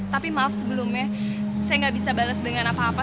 tapi maaf sebelumnya saya nggak bisa bales dengan apa apa